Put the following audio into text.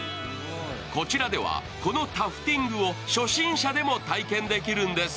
こちらではこのタフティングを初心者でも体験できるんです。